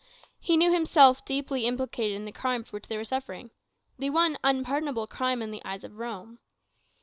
He knew himself deeply implicated in the crime for which they were suffering the one unpardonable crime in the eyes of Rome.